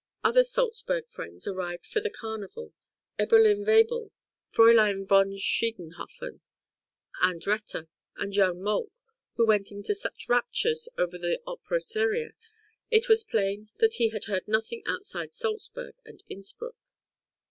Other Salzburg friends arrived for the {WORKS IN GERMANY.} (150) Carnival, Eberlin Waberl, Fräulein v. Schiedenhofen, And retter, and young Molk, who went into such raptures over the opera seria, it was plain that he had heard nothing outside Salzburg and Inspruck.